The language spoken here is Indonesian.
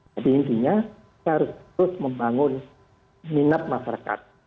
jadi intinya harus terus membangun minat masyarakat